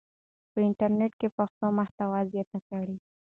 په انټرنیټ کې پښتو محتوا زیاته کړئ.